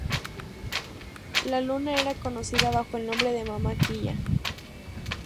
La Luna era conocida bajo el nombre de Mama Quilla.